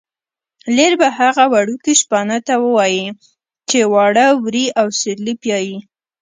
لېربه هغه وړکي شپانه ته وايي چې واړه وري او سېرلی پیایي.